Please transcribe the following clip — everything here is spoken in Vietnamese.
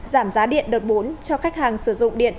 giảm giá điện đợt bốn cho khách hàng sử dụng điện